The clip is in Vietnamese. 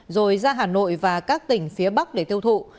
rồi ra hà nội và các tỉnh phía bắc để tiêu thụ